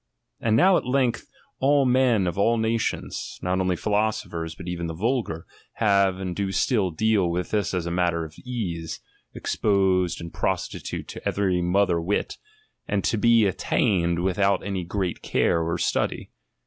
Aiul now at length all men of all nations, not only philosophers but even the vulgar, have and do still deal with this as a matter of ease, exposed and prostitute to every mother wit, and to be at tained without any great care or study.